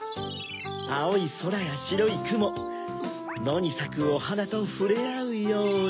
あおいそらやしろいくものにさくおはなとふれあうように。